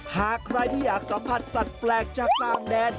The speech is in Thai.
หากใครที่อยากสัมผัสสัตว์แปลกจากต่างแดน